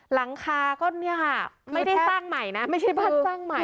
หลังคาก็เนี่ยค่ะไม่ได้สร้างใหม่นะไม่ใช่บ้านสร้างใหม่